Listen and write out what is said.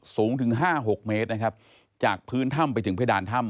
สูงถึงห้าหกเมตรนะครับจากพื้นถ้ำไปถึงเพดานถ้ำ